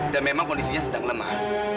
dan memang kondisinya sedang lemah